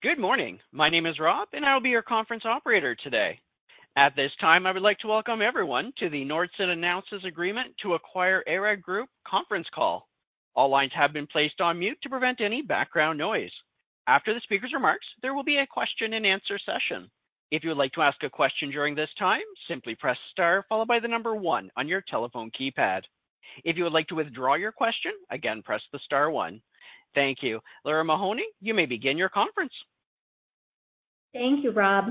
Good morning. My name is Rob, and I will be your conference operator today. At this time, I would like to welcome everyone to the Nordson Announces Agreement to Acquire ARAG Group conference call. All lines have been placed on mute to prevent any background noise. After the speaker's remarks, there will be a question-and-answer session. If you would like to ask a question during this time, simply press star followed by the number one on your telephone keypad. If you would like to withdraw your question, again, press the star one. Thank you. Lara Mahoney, you may begin your conference. Thank you, Rob.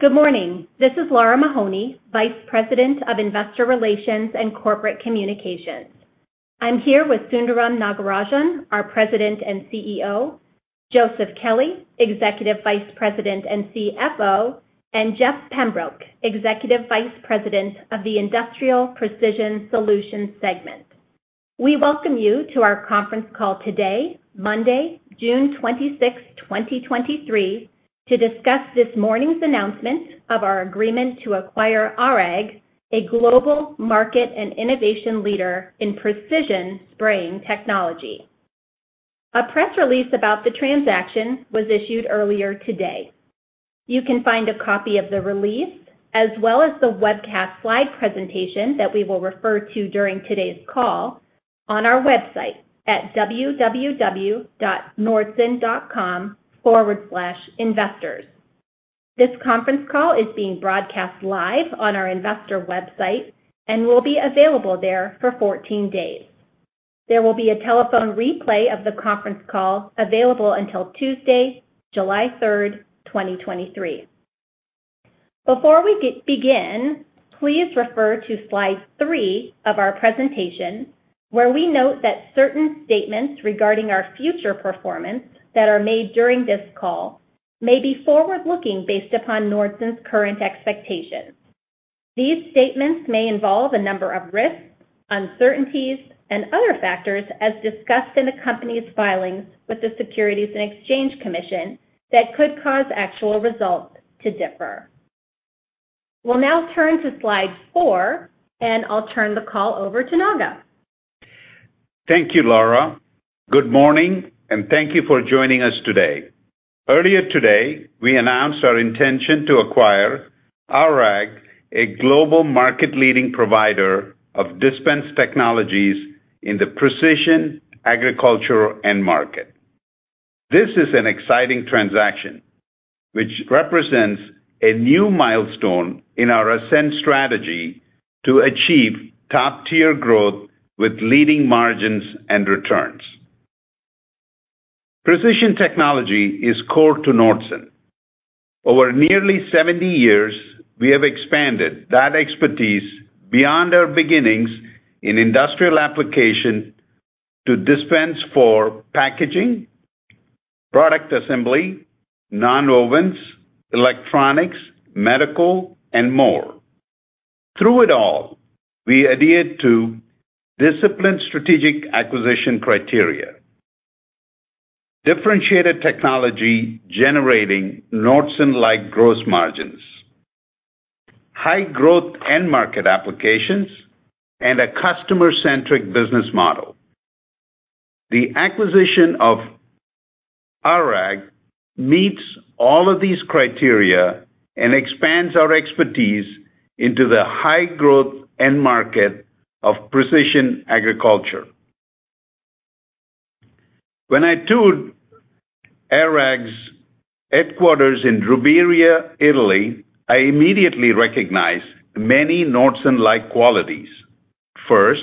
Good morning. This is Lara Mahoney, Vice President of Investor Relations and Corporate Communications. I'm here with Sundaram Nagarajan, our President and CEO, Joseph Kelley, Executive Vice President and CFO, and Jeff Pembroke, Executive Vice President of the Industrial Precision Solutions segment. We welcome you to our conference call today, Monday, June 26th, 2023, to discuss this morning's announcement of our agreement to acquire ARAG, a global market and innovation leader in precision spraying technology. A press release about the transaction was issued earlier today. You can find a copy of the release, as well as the webcast slide presentation that we will refer to during today's call, on our website at investors.nordson.com. This conference call is being broadcast live on our investor website and will be available there for 14 days. There will be a telephone replay of the conference call available until Tuesday, July 3rd, 2023. Before we begin, please refer to slide three of our presentation, where we note that certain statements regarding our future performance that are made during this call may be forward-looking based upon Nordson's current expectations. These statements may involve a number of risks, uncertainties, and other factors as discussed in the company's filings with the Securities and Exchange Commission that could cause actual results to differ. We'll now turn to slide four, and I'll turn the call over to Naga. Thank you, Lara. Good morning. Thank you for joining us today. Earlier today, we announced our intention to acquire ARAG, a global market-leading provider of dispense technologies in the precision agriculture end market. This is an exciting transaction, which represents a new milestone in our Ascend strategy to achieve top-tier growth with leading margins and returns. Precision technology is core to Nordson. Over nearly 70 years, we have expanded that expertise beyond our beginnings in industrial application to dispense for packaging, product assembly, nonwovens, electronics, medical, and more. Through it all, we adhered to disciplined strategic acquisition criteria, differentiated technology, generating Nordson-like gross margins, high growth end market applications, and a customer-centric business model. The acquisition of ARAG meets all of these criteria and expands our expertise into the high-growth end market of precision agriculture. When I toured ARAG's headquarters in Rovereto, Italy, I immediately recognized many Nordson-like qualities. First,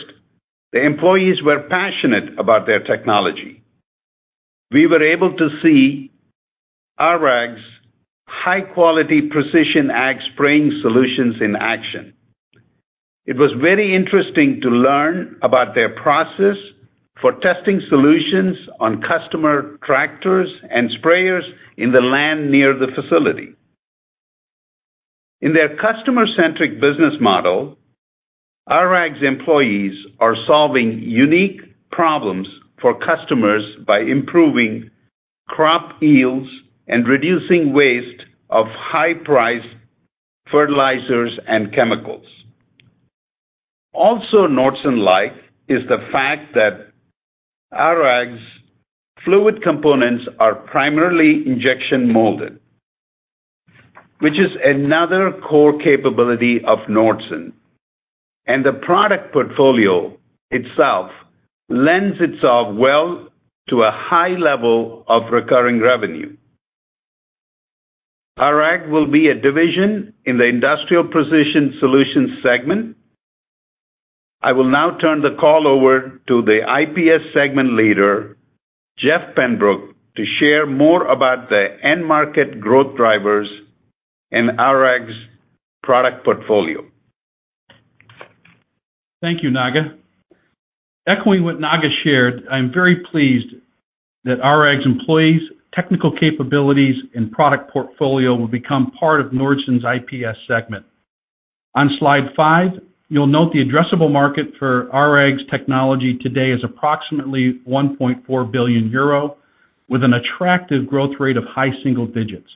the employees were passionate about their technology. We were able to see ARAG's high-quality precision ag spraying solutions in action. It was very interesting to learn about their process for testing solutions on customer tractors and sprayers in the land near the facility. In their customer-centric business model, ARAG's employees are solving unique problems for customers by improving crop yields and reducing waste of high-priced fertilizers and chemicals. Nordson-like, is the fact that ARAG's fluid components are primarily injection molded, which is another core capability of Nordson, and the product portfolio itself lends itself well to a high level of recurring revenue. ARAG will be a division in the Industrial Precision Solutions segment. I will now turn the call over to the IPS segment leader, Jeff Pembroke, to share more about the end market growth drivers and ARAG's product portfolio. Thank you, Naga. Echoing what Naga shared, I'm very pleased that ARAG's employees, technical capabilities, and product portfolio will become part of Nordson's IPS segment. On slide five, you'll note the addressable market for ARAG's technology today is approximately 1.4 billion euro, with an attractive growth rate of high single digits.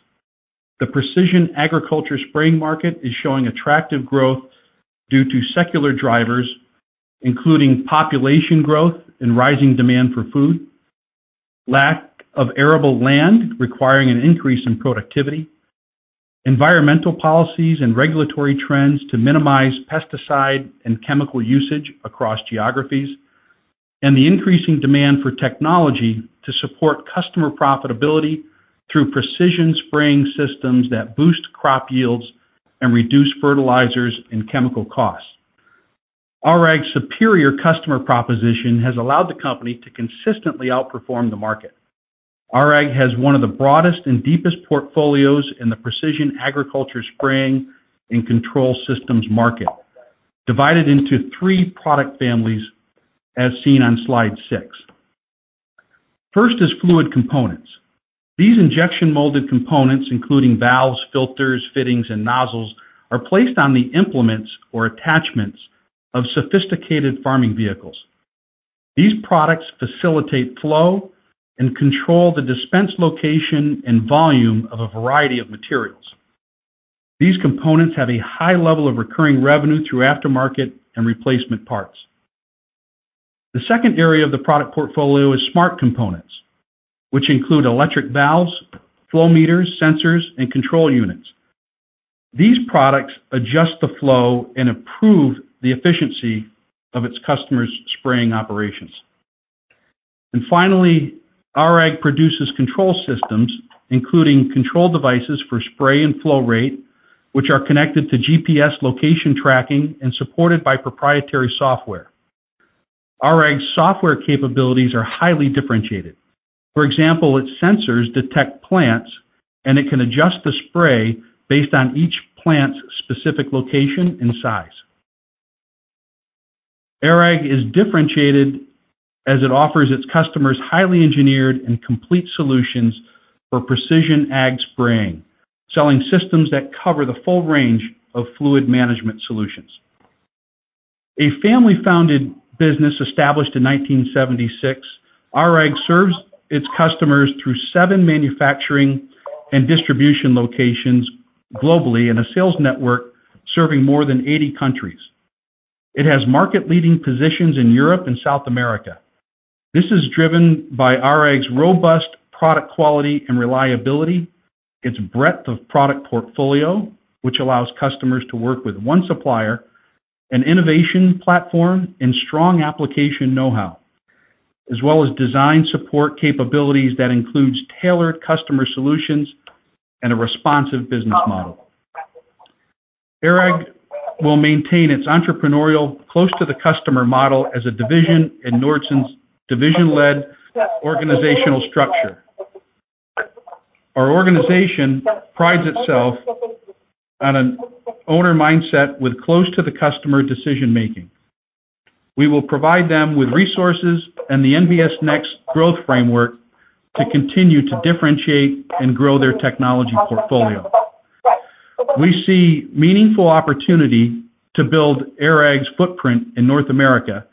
The precision agriculture spraying market is showing attractive growth due to secular drivers, including population growth and rising demand for food, lack of arable land, requiring an increase in productivity, environmental policies and regulatory trends to minimize pesticide and chemical usage across geographies, and the increasing demand for technology to support customer profitability through precision spraying systems that boost crop yields and reduce fertilizers and chemical costs. ARAG's superior customer proposition has allowed the company to consistently outperform the market. ARAG has one of the broadest and deepest portfolios in the precision agriculture spraying and control systems market, divided into three product families, as seen on slide six. First is fluid components. These injection molded components, including valves, filters, fittings, and nozzles, are placed on the implements or attachments of sophisticated farming vehicles. These products facilitate flow and control the dispense location and volume of a variety of materials. These components have a high level of recurring revenue through aftermarket and replacement parts. The second area of the product portfolio is smart components, which include electric valves, flow meters, sensors, and control units. These products adjust the flow and improve the efficiency of its customers' spraying operations. Finally, ARAG produces control systems, including control devices for spray and flow rate, which are connected to GPS location tracking and supported by proprietary software. ARAG's software capabilities are highly differentiated. For example, its sensors detect plants, and it can adjust the spray based on each plant's specific location and size. ARAG is differentiated as it offers its customers highly engineered and complete solutions for precision ag spraying, selling systems that cover the full range of fluid management solutions. A family-founded business established in 1976, ARAG serves its customers through seven manufacturing and distribution locations globally, and a sales network serving more than 80 countries. It has market-leading positions in Europe and South America. This is driven by ARAG's robust product quality and reliability, its breadth of product portfolio, which allows customers to work with one supplier, an innovation platform and strong application know-how, as well as design support capabilities that includes tailored customer solutions and a responsive business model. ARAG will maintain its entrepreneurial, close to the customer model as a division in Nordson's division-led organizational structure. Our organization prides itself on an owner mindset with close to the customer decision-making. We will provide them with resources and the NBS Next Growth Framework to continue to differentiate and grow their technology portfolio. We see meaningful opportunity to build ARAG's footprint in North America,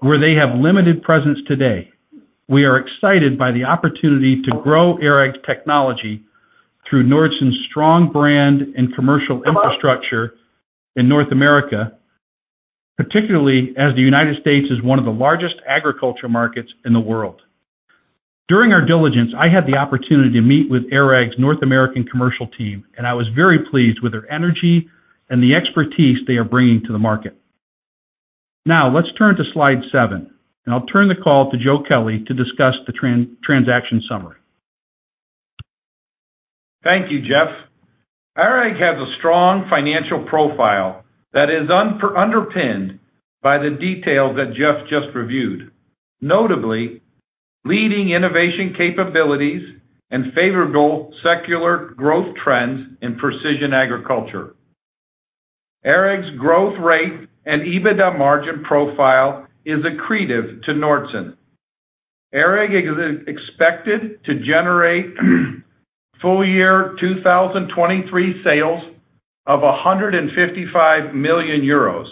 where they have limited presence today. We are excited by the opportunity to grow ARAG's technology through Nordson's strong brand and commercial infrastructure in North America, particularly as the United States is one of the largest agriculture markets in the world. During our diligence, I had the opportunity to meet with ARAG's North American commercial team, and I was very pleased with their energy and the expertise they are bringing to the market. Let's turn to slide seven, and I'll turn the call to Joe Kelley to discuss the transaction summary. Thank you, Jeff. ARAG has a strong financial profile that is underpinned by the details that Jeff just reviewed, notably, leading innovation capabilities and favorable secular growth trends in precision agriculture. ARAG's growth rate and EBITDA margin profile is accretive to Nordson. ARAG is expected to generate, full-year 2023 sales of 155 million euros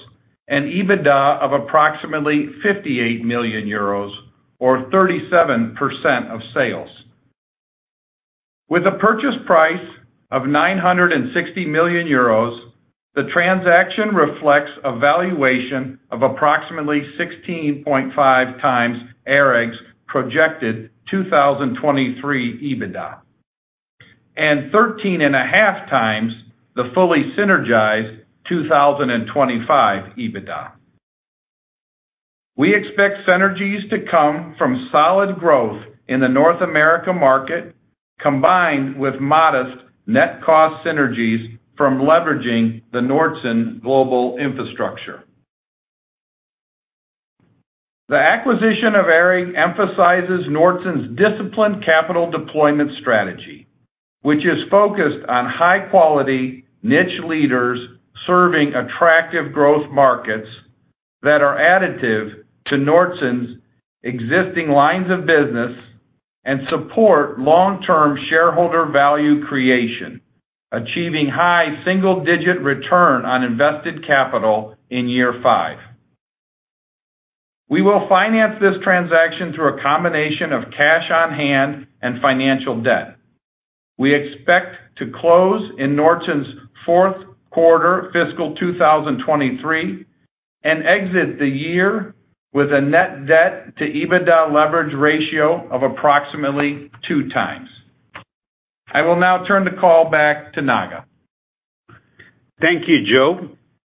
and EBITDA of approximately 58 million euros or 37% of sales. With a purchase price of 960 million euros, the transaction reflects a valuation of approximately 16.5x ARAG's projected 2023 EBITDA, and 13.5x the fully synergized 2025 EBITDA. We expect synergies to come from solid growth in the North America market, combined with modest net cost synergies from leveraging the Nordson global infrastructure. The acquisition of ARAG emphasizes Nordson's disciplined capital deployment strategy, which is focused on high quality niche leaders, serving attractive growth markets that are additive to Nordson's existing lines of business and support long-term shareholder value creation, achieving high single-digit return on invested capital in year five. We will finance this transaction through a combination of cash on hand and financial debt. We expect to close in Nordson's fourth quarter fiscal 2023, and exit the year with a net debt to EBITDA leverage ratio of approximately 2x. I will now turn the call back to Naga. Thank you, Joe.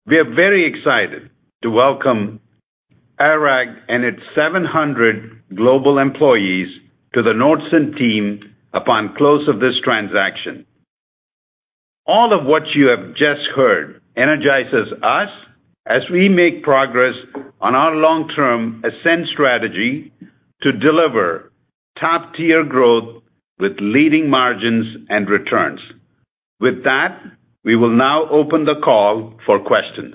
We are very excited to welcome ARAG and its 700 global employees to the Nordson team upon close of this transaction. All of what you have just heard energizes us as we make progress on our long-term Ascend strategy to deliver top-tier growth with leading margins and returns. With that, we will now open the call for questions.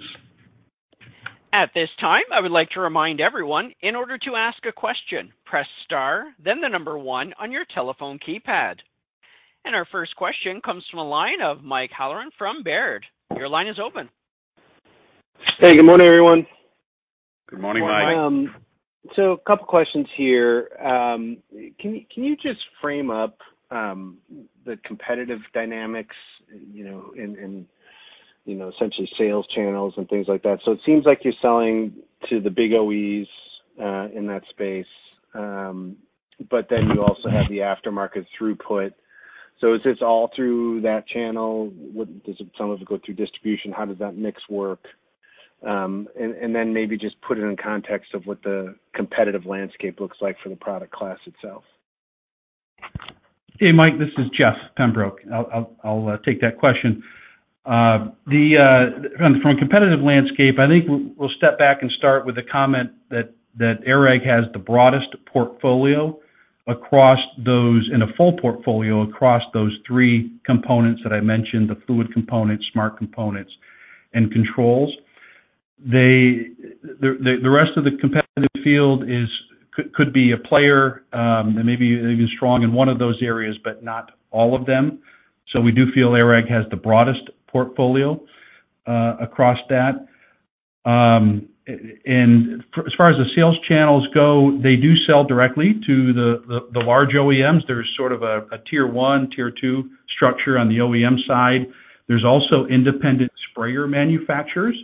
At this time, I would like to remind everyone, in order to ask a question, press star, then the number one on your telephone keypad. Our first question comes from the line of Mike Halloran from Baird. Your line is open. Hey, good morning, everyone. Good morning, Mike. A couple questions here. Can you just frame up the competitive dynamics, you know, in, you know, essentially sales channels and things like that? It seems like you're selling to the big OEs in that space, but then you also have the aftermarket throughput. Is this all through that channel? Does some of it go through distribution? How does that mix work? Maybe just put it in context of what the competitive landscape looks like for the product class itself. Hey, Mike, this is Jeff Pembroke. I'll take that question. The from a competitive landscape, I think we'll step back and start with a comment that ARAG has the broadest portfolio across those... in a full portfolio across those three components that I mentioned, the fluid components, smart components, and controls. The rest of the competitive field is, could be a player, that may be strong in one of those areas, but not all of them. We do feel ARAG has the broadest portfolio, across that. As far as the sales channels go, they do sell directly to the large OEMs. There's sort of a tier one, tier two structure on the OEM side. There's also independent sprayer manufacturers,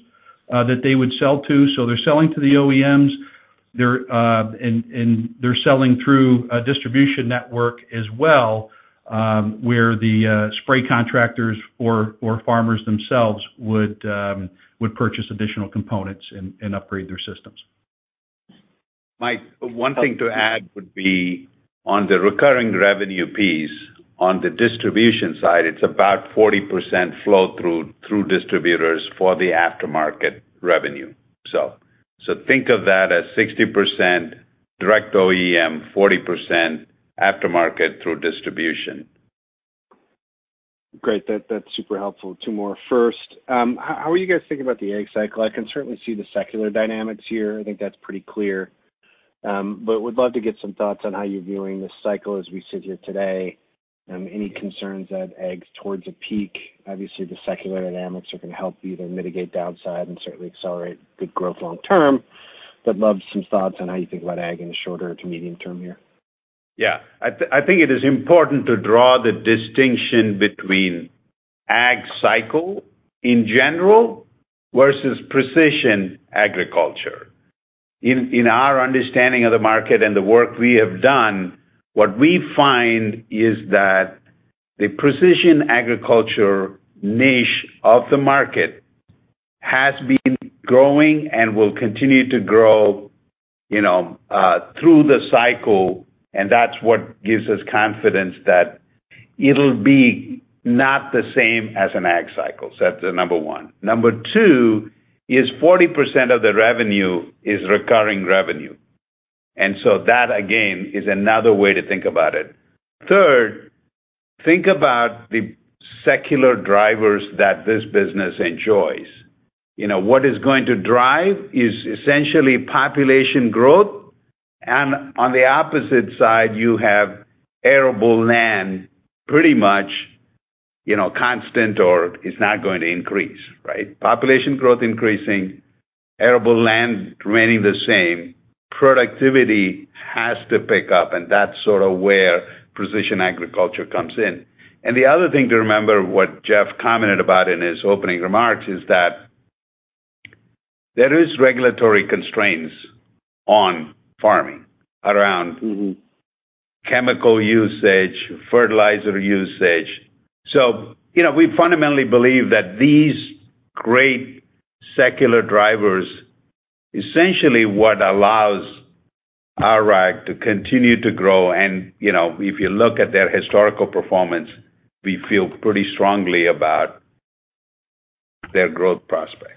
that they would sell to. They're selling to the OEMs, they're, and they're selling through a distribution network as well, where the spray contractors or farmers themselves would purchase additional components and upgrade their systems. Mike, one thing to add would be on the recurring revenue piece. On the distribution side, it's about 40% flow through distributors for the aftermarket revenue. Think of that as 60% direct OEM, 40% aftermarket through distribution. Great. That's super helpful. Two more. First, how are you guys thinking about the ag cycle? I can certainly see the secular dynamics here. I think that's pretty clear. Would love to get some thoughts on how you're viewing this cycle as we sit here today. Any concerns that ag's towards a peak? Obviously, the secular dynamics are gonna help you either mitigate downside and certainly accelerate good growth long term. Love some thoughts on how you think about ag in the shorter to medium term here. Yeah. I think it is important to draw the distinction between ag cycle in general versus precision agriculture. In our understanding of the market and the work we have done, what we find is that the precision agriculture niche of the market has been growing and will continue to grow, you know, through the cycle, and that's what gives us confidence that it'll be not the same as an ag cycle. That's the number one. Number two, is 40% of the revenue is recurring revenue. That, again, is another way to think about it. Third, think about the secular drivers that this business enjoys. You know, what is going to drive is essentially population growth. On the opposite side, you have arable land, pretty much, you know, constant or is not going to increase, right? Population growth increasing, arable land remaining the same, productivity has to pick up, that's sort of where precision agriculture comes in. The other thing to remember, what Jeff commented about in his opening remarks, is that there is regulatory constraints on farming around- Mm-hmm. chemical usage, fertilizer usage. You know, we fundamentally believe that these great secular drivers, essentially what allows ARAG to continue to grow. You know, if you look at their historical performance, we feel pretty strongly about their growth prospects.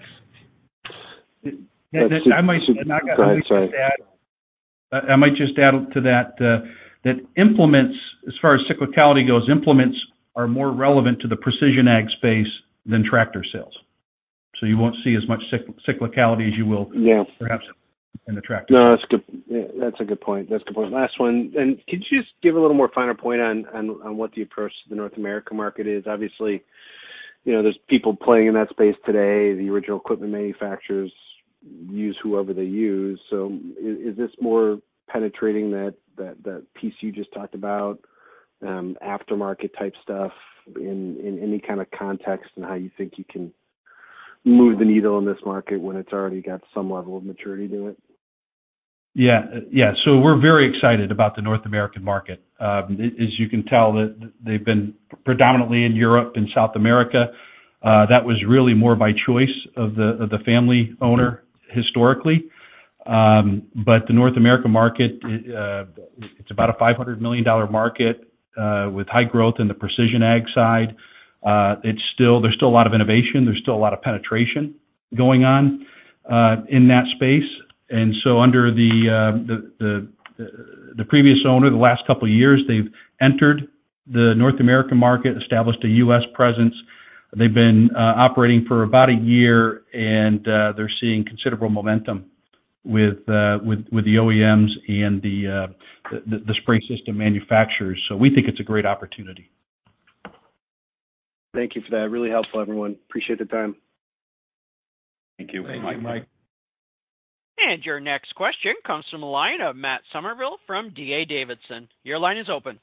Yeah, Naga, I might just add-. Go ahead, sorry. I might just add on to that implements, as far as cyclicality goes, implements are more relevant to the precision ag space than tractor sales. You won't see as much cyclicality as you will. Yes. - perhaps in the tractor. No, that's good. Yeah, that's a good point. That's a good point. Last one, could you just give a little more finer point on what the approach to the North America market is? Obviously.... You know, there's people playing in that space today. The original equipment manufacturers use whoever they use. Is this more penetrating that piece you just talked about, aftermarket type stuff in any kind of context and how you think you can move the needle in this market when it's already got some level of maturity to it? We're very excited about the North American market. As you can tell, that they've been predominantly in Europe and South America. That was really more by choice of the family owner historically. The North American market, it's about a $500 million market with high growth in the precision ag side. There's still a lot of innovation, there's still a lot of penetration going on in that space. Under the previous owner, the last couple of years, they've entered the North American market, established a U.S. presence. They've been operating for about a year, and they're seeing considerable momentum with the OEMs and the spray system manufacturers. We think it's a great opportunity. Thank you for that. Really helpful, everyone. Appreciate the time. Thank you. Thank you, Mike. Your next question comes from the line of Matt Summerville from D.A. Davidson. Your line is open.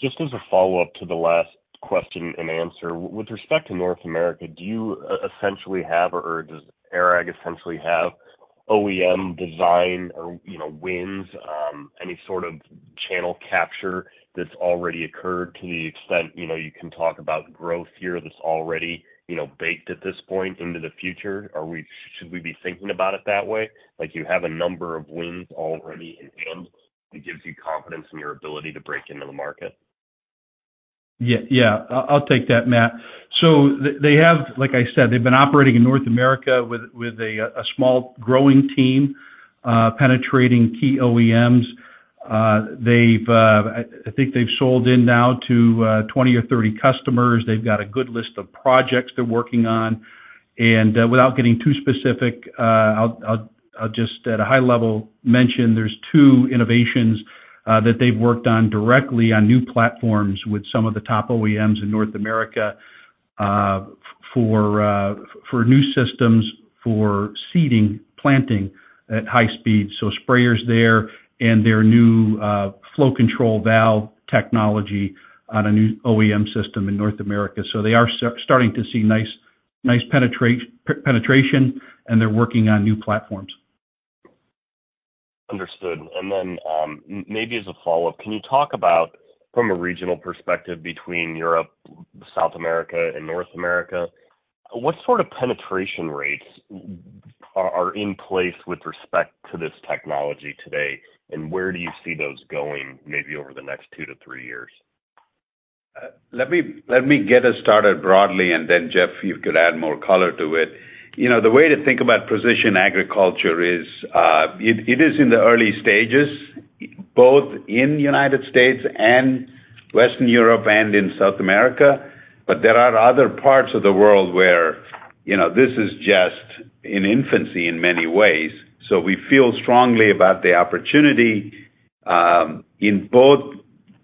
Just as a follow-up to the last question and answer. With respect to North America, do you essentially have or does ARAG essentially have OEM design or, you know, wins, any sort of channel capture that's already occurred to the extent, you know, you can talk about growth here that's already, you know, baked at this point into the future? Should we be thinking about it that way? Like, you have a number of wins already in hand, it gives you confidence in your ability to break into the market. Yeah. Yeah, I'll take that, Matt. Like I said, they've been operating in North America with a small growing team, penetrating key OEMs. They've, I think they've sold in now to 20 or 30 customers. They've got a good list of projects they're working on, and without getting too specific, I'll, I'll just at a high level mention there's two innovations that they've worked on directly on new platforms with some of the top OEMs in North America for new systems, for seeding, planting at high speed. Sprayers there and their new flow control valve technology on a new OEM system in North America. They are starting to see nice penetration, and they're working on new platforms. Understood. Then, maybe as a follow-up, can you talk about from a regional perspective between Europe, South America, and North America, what sort of penetration rates are in place with respect to this technology today? Where do you see those going, maybe over the next two to three years? Let me get us started broadly, and then, Jeff, you could add more color to it. You know, the way to think about precision agriculture is, it is in the early stages, both in the United States and Western Europe and in South America. There are other parts of the world where, you know, this is just in infancy in many ways. We feel strongly about the opportunity, in both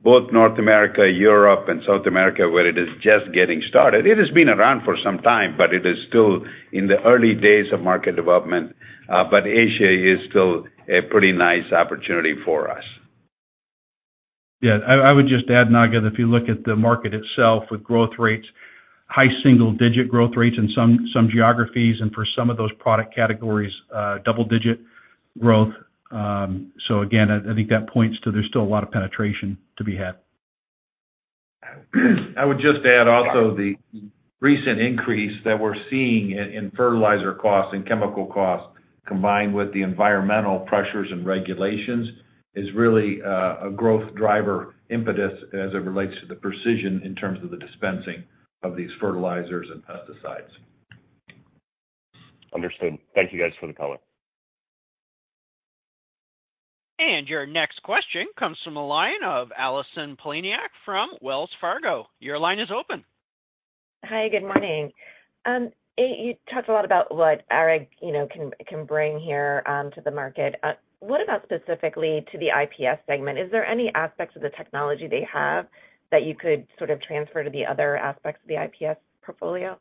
North America, Europe, and South America, where it is just getting started. It has been around for some time, but it is still in the early days of market development. Asia is still a pretty nice opportunity for us. Yeah, I would just add, Naga, that if you look at the market itself with growth rates, high single-digit growth rates in some geographies, and for some of those product categories, double-digit growth. Again, I think that points to there's still a lot of penetration to be had. I would just add also, the recent increase that we're seeing in fertilizer costs and chemical costs, combined with the environmental pressures and regulations, is really, a growth driver impetus as it relates to the precision in terms of the dispensing of these fertilizers and pesticides. Understood. Thank you guys for the color. Your next question comes from the line of Allison Poliniak from Wells Fargo. Your line is open. Hi, good morning. You talked a lot about what ARAG, you know, can bring here to the market. What about specifically to the IPS segment? Is there any aspects of the technology they have that you could sort of transfer to the other aspects of the IPS portfolio?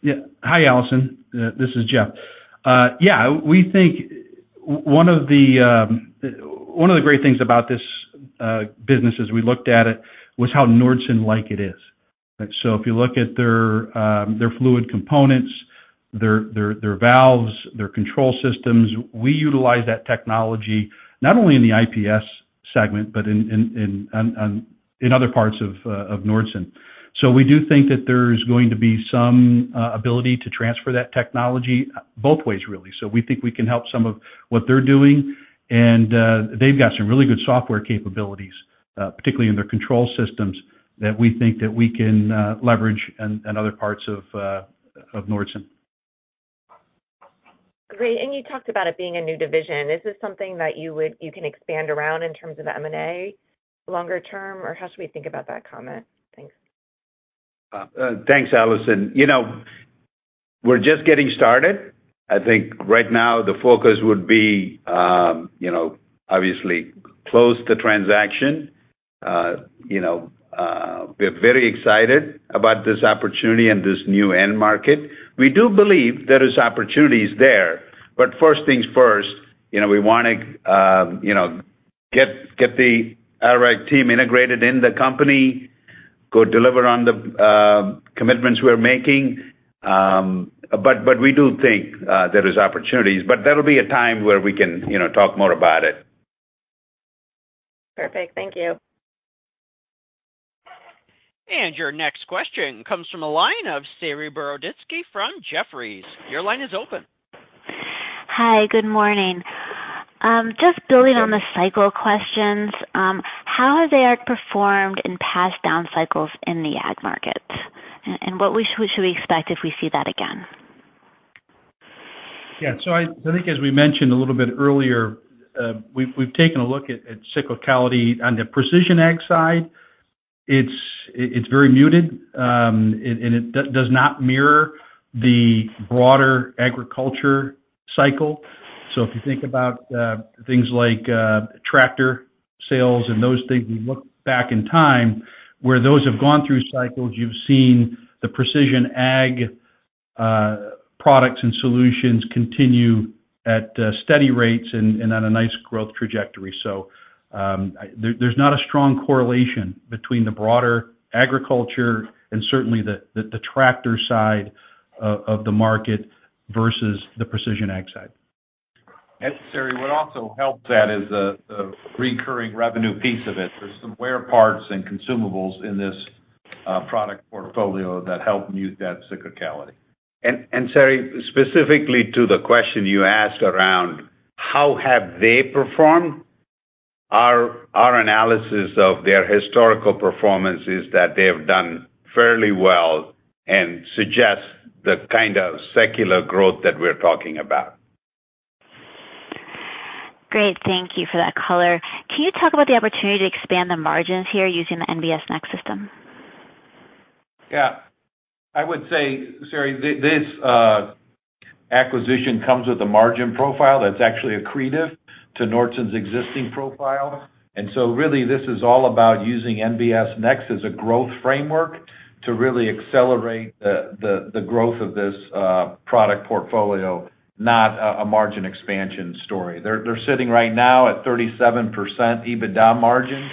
Yeah. Hi, Allison. This is Jeff. Yeah, we think one of the great things about this business as we looked at it, was how Nordson like it is. If you look at their fluid components, their valves, their control systems, we utilize that technology not only in the IPS segment, but in other parts of Nordson. We do think that there's going to be some ability to transfer that technology both ways, really. We think we can help some of what they're doing, and they've got some really good software capabilities, particularly in their control systems, that we think that we can leverage in other parts of Nordson. Great. You talked about it being a new division. Is this something that you can expand around in terms of M&A longer term, or how should we think about that comment? Thanks. Thanks, Allison. You know- We're just getting started. I think right now, the focus would be, you know, obviously close the transaction. you know, we're very excited about this opportunity and this new end market. We do believe there is opportunities there, but first things first, you know, we wanna, you know, get the ARAG team integrated in the company, go deliver on the commitments we're making. But we do think there is opportunities. There'll be a time where we can, you know, talk more about it. Perfect. Thank you. Your next question comes from the line of Saree Boroditsky from Jefferies. Your line is open. Hi, good morning. Just building on the cycle questions, how has ARAG performed in past down cycles in the ag market? What should we expect if we see that again? I think as we mentioned a little bit earlier, we've taken a look at cyclicality on the precision ag side. It's very muted, and it does not mirror the broader agriculture cycle. If you think about things like tractor sales and those things, you look back in time where those have gone through cycles, you've seen the precision ag products and solutions continue at steady rates and on a nice growth trajectory. I think there's not a strong correlation between the broader agriculture and certainly the tractor side of the market versus the precision ag side. Saree, what also helps that is the recurring revenue piece of it. There's some wear parts and consumables in this product portfolio that help mute that cyclicality. Sari, specifically to the question you asked around, how have they performed? Our analysis of their historical performance is that they have done fairly well and suggests the kind of secular growth that we're talking about. Great. Thank you for that color. Can you talk about the opportunity to expand the margins here using the NBS Next system? Yeah. I would say, Saree, this acquisition comes with a margin profile that's actually accretive to Nordson's existing profile. Really, this is all about using NBS Next as a growth framework to really accelerate the growth of this product portfolio, not a margin expansion story. They're sitting right now at 37% EBITDA margin.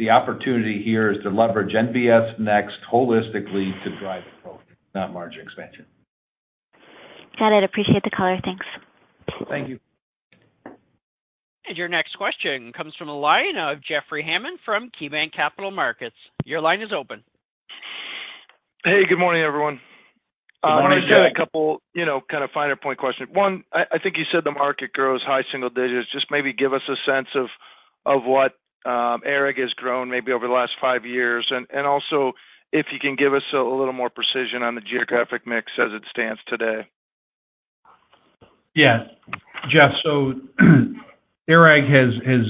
The opportunity here is to leverage NBS Next holistically to drive growth, not margin expansion. Got it. Appreciate the color. Thanks. Thank you. Your next question comes from the line of Jeffrey Hammond from KeyBanc Capital Markets. Your line is open. Hey, good morning, everyone. Good morning, Jeff. I just had a couple, you know, kind of finer point question. One, I think you said the market grows high-single-digits. Just maybe give us a sense of what ARAG has grown maybe over the last five years. Also, if you can give us a little more precision on the geographic mix as it stands today. Yeah, Jeff, ARAG has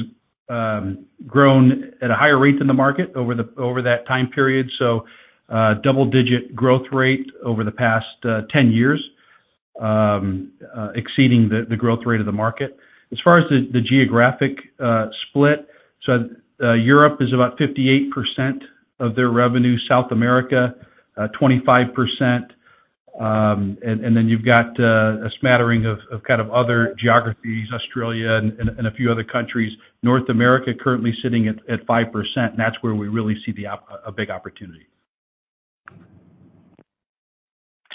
grown at a higher rate than the market over that time period, double digit growth rate over the past 10 years, exceeding the growth rate of the market. As far as the geographic split, Europe is about 58% of their revenue, South America, 25%. You've got a smattering of kind of other geographies, Australia and a few other countries. North America, currently sitting at 5%, and that's where we really see a big opportunity.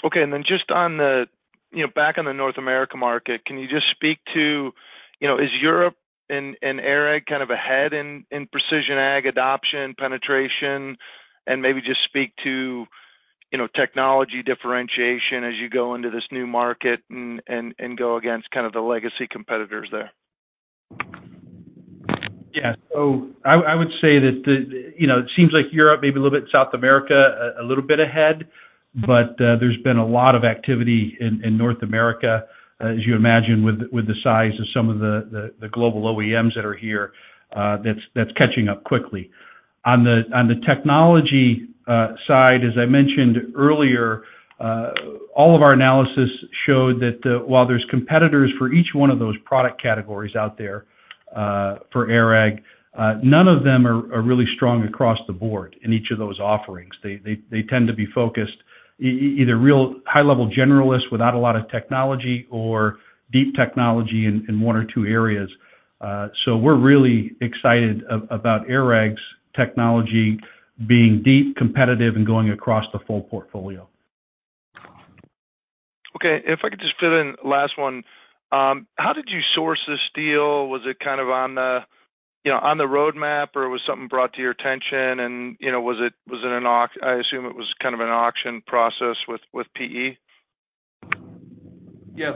Okay. you know, back on the North America market, can you just speak to, you know, is Europe and ARAG kind of ahead in precision ag adoption, penetration? maybe just speak to, you know, technology differentiation as you go into this new market and go against kind of the legacy competitors there. Yeah. I would say that, you know, it seems like Europe, maybe a little bit South America, a little bit ahead, there's been a lot of activity in North America, as you imagine, with the size of some of the global OEMs that are here, that's catching up quickly. On the technology side, as I mentioned earlier, all of our analysis showed that while there's competitors for each one of those product categories out there, for ARAG, none of them are really strong across the board in each of those offerings. They tend to be focused, either real high-level generalists without a lot of technology or deep technology in one or two areas. We're really excited about ARAG's technology being deep, competitive, and going across the full portfolio. Okay. If I could just fit in last one. How did you source this deal? Was it kind of on the, you know, on the roadmap, or was something brought to your attention and, you know, I assume it was kind of an auction process with PE? Yes.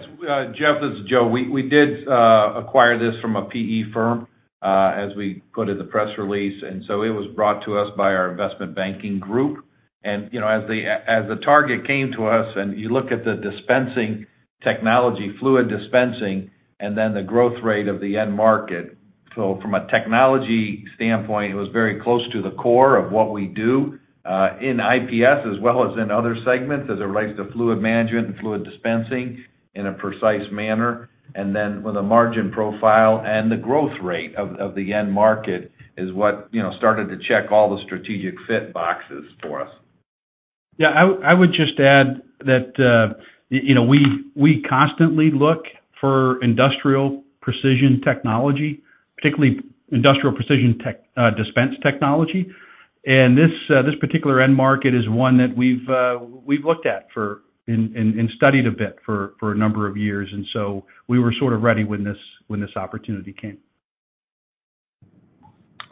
Jeff, this is Joe. We did acquire this from a PE firm, as we put in the press release, it was brought to us by our investment banking group. You know, as the target came to us, and you look at the dispensing technology, fluid dispensing, and then the growth rate of the end market... From a technology standpoint, it was very close to the core of what we do in IPS as well as in other segments, as it relates to fluid management and fluid dispensing in a precise manner. Then with a margin profile and the growth rate of the end market is what, you know, started to check all the strategic fit boxes for us. Yeah, I would just add that, you know, we constantly look for industrial precision technology, particularly industrial precision tech dispense technology. This particular end market is one that we've looked at for and studied a bit for a number of years, we were sort of ready when this, when this opportunity came.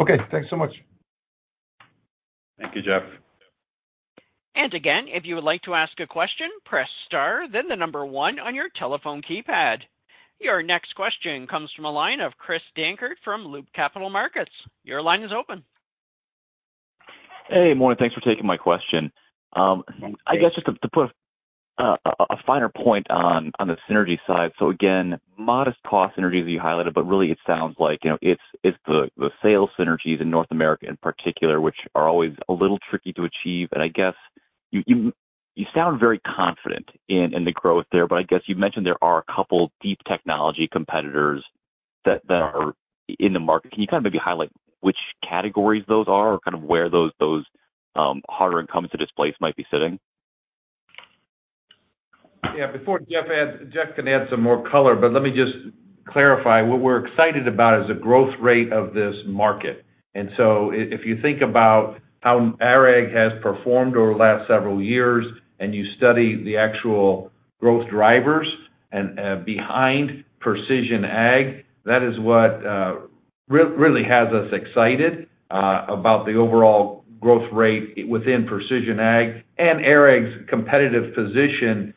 Okay, thanks so much. Thank you, Jeff. Again, if you would like to ask a question, press star, then the number one on your telephone keypad. Your next question comes from a line of Chris Dankert from Loop Capital Markets. Your line is open. Hey, morning. Thanks for taking my question. I guess just to put a finer point on the synergy side. Again, modest cost synergies that you highlighted, but really it sounds like, you know, it's the sales synergies in North America in particular, which are always a little tricky to achieve. I guess you sound very confident in the growth there, but I guess you mentioned there are a couple of deep technology competitors that are in the market. Can you kind of maybe highlight which categories those are or kind of where those harder incumbents to displace might be sitting? Yeah, before Jeff adds, Jeff's gonna add some more color, but let me just clarify. What we're excited about is the growth rate of this market. So if you think about how ARAG has performed over the last several years, and you study the actual growth drivers and behind precision ag, that is what really has us excited about the overall growth rate within precision ag and ARAG's competitive position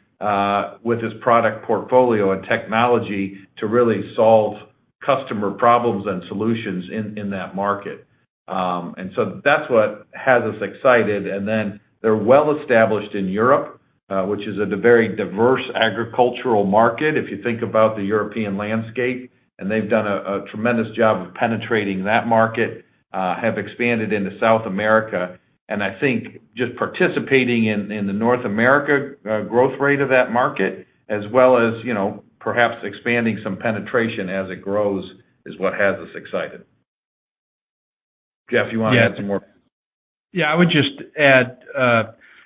with its product portfolio and technology to really solve customer problems and solutions in that market. So that's what has us excited. Then, they're well established in Europe, which is a very diverse agricultural market, if you think about the European landscape, and they've done a tremendous job of penetrating that market, have expanded into South America. I think just participating in the North America growth rate of that market, as well as, you know, perhaps expanding some penetration as it grows, is what has us excited. Jeff, you want to add some more? I would just add,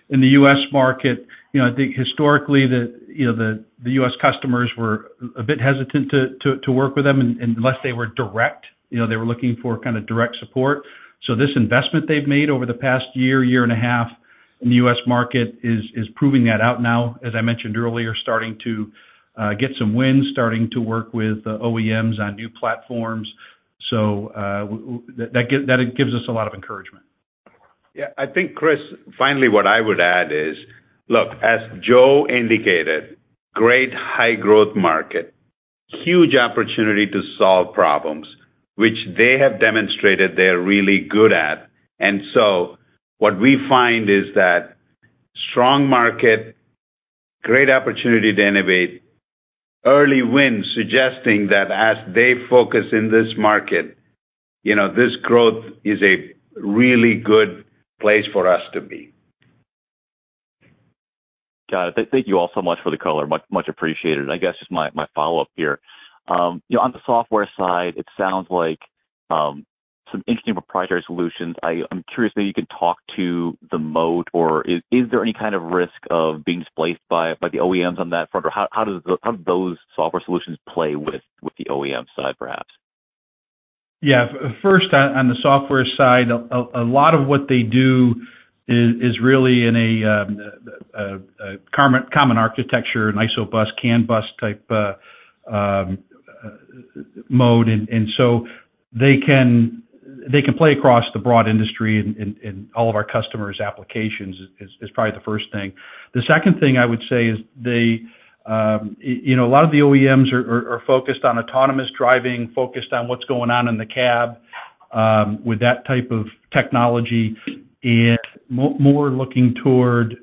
in the US market, you know, I think historically, the, you know, the US customers were a bit hesitant to work with them, unless they were direct, you know, they were looking for kind of direct support. This investment they've made over the past year and a half in the US market is proving that out now, as I mentioned earlier, starting to get some wins, starting to work with OEMs on new platforms. That gives us a lot of encouragement. Yeah, I think, Chris, finally, what I would add is, look, as Joe indicated, great high growth market, huge opportunity to solve problems, which they have demonstrated they are really good at. What we find is that strong market, great opportunity to innovate, early wins, suggesting that as they focus in this market, you know, this growth is a really good place for us to be. Got it. Thank you all so much for the color. Much, much appreciated. I guess just my follow-up here. you know, on the software side, it sounds like some interesting proprietary solutions. I'm curious if you can talk to the mode or is there any kind of risk of being displaced by the OEMs on that front? Or how do those software solutions play with the OEM side, perhaps? Yeah, first, on the software side, a lot of what they do is really in a common architecture, an ISOBUS, CAN bus type mode. They can play across the broad industry and all of our customers' applications is probably the first thing. The second thing I would say is they, you know, a lot of the OEMs are focused on autonomous driving, focused on what's going on in the cab with that type of technology, and more looking toward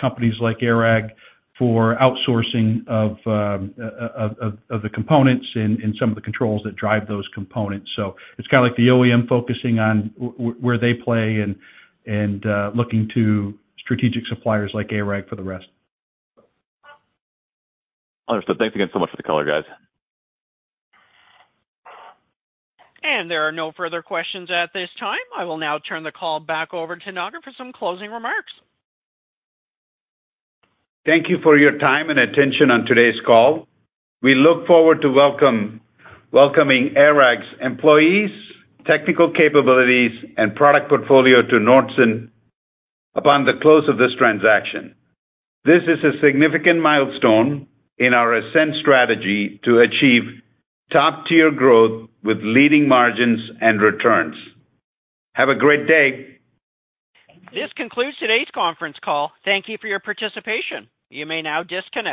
companies like ARAG for outsourcing of the components and some of the controls that drive those components. It's kind of like the OEM focusing on where they play and looking to strategic suppliers like ARAG for the rest. Understood. Thanks again so much for the color, guys. There are no further questions at this time. I will now turn the call back over to Naga for some closing remarks. Thank you for your time and attention on today's call. We look forward to welcoming ARAG's employees, technical capabilities, and product portfolio to Nordson upon the close of this transaction. This is a significant milestone in our Ascend strategy to achieve top-tier growth with leading margins and returns. Have a great day. This concludes today's conference call. Thank you for your participation. You may now disconnect.